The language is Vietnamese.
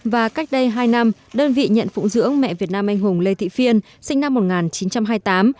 và cách đây hai năm đơn vị nhận phụng dưỡng mẹ việt nam anh hùng lê thị phiên sinh năm một nghìn chín trăm hai mươi tám